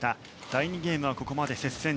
第２ゲームはここまで接戦。